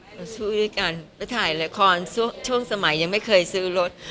เราสู้ด้วยกันไปถ่ายละครช่วงสมัยยังไม่เคยซื้อรถ